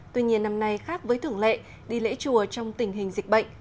tuy nhiên năm nay khác với thưởng lệ đi lễ chùa trong tình hình dịch bệnh